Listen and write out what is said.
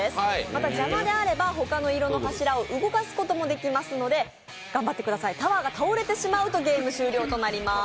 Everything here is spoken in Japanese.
また、邪魔であれば他の色の柱を動かすこともできるので頑張ってください、タワーが倒れてしまうと失敗となります。